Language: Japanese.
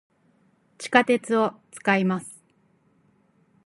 地下鉄を、使います。